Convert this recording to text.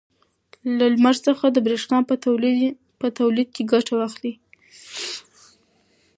له لمر څخه د برېښنا په تولید کې ګټه واخلئ.